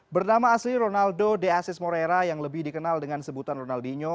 bernama asli ronaldo de assis moreira yang lebih dikenal dengan sebutan ronaldinho